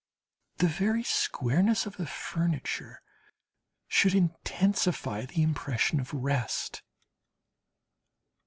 The very squareness of the furniture should intensify the impression of rest.